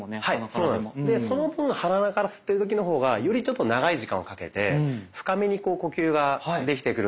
その分鼻から吸ってる時の方がよりちょっと長い時間をかけて深めにこう呼吸ができてくるんじゃないかと思います。